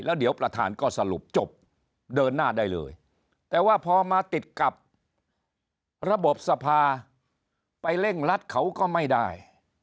แล้วเดี๋ยวประธานก็สรุปจบเดินหน้าได้เลยแต่ว่าพอมาติดกับระบบสภาไปเร่งรัดเขาก็ไม่ได้